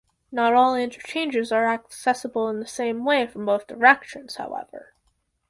Not all interchanges are accessible in the same way from both directions, however.